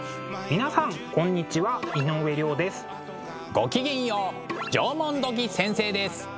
ごきげんよう縄文土器先生です。